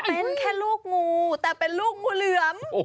เป็นแค่ลูกงูแต่เป็นลูกงูเหลือม